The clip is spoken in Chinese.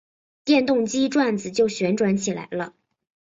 电动机转子就旋转起来了。